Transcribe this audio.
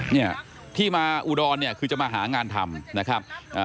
เนี่ยที่มาอุดรเนี่ยคือจะมาหางานทำนะครับ